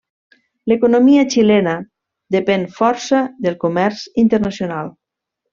L'economia xilena depèn força del comerç internacional.